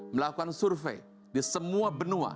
melakukan survei di semua benua